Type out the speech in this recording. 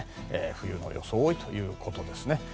冬の装いということですね。